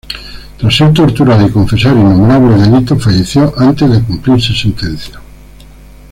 Tras ser torturada y confesar innumerables delitos, falleció antes de cumplirse sentencia.